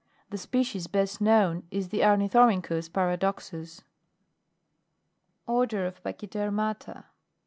The species best known is the Ornithorynchus Paradoxus. ORDER OF PACHYDERMATA.